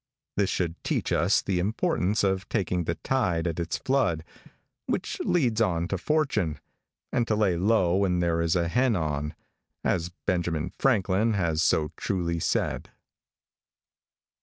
This should teach us the importance of taking the tide at its flood, which leads on to fortune, and to lay low when there is a hen on, as Benjamin Franklin has so truly said.